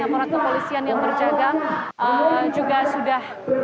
aparat kepolisian yang berjaga juga sudah